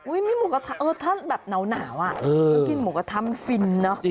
อุ้ยมีหมูกระทะไหมถ้าแบบหนาวอ่ะกินหมูกระทะไหมฟินเนอะ